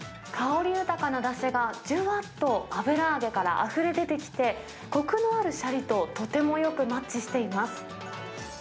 香り豊かなだしが、じゅわっと油揚げからあふれ出てきて、こくのあるしゃりととてもよくマッチしています。